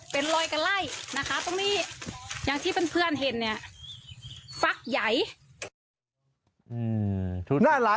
เป็นรอยกันไล่นะคะตรงนี้อย่างที่เพื่อนเห็นเนี่ยฟักใหญ่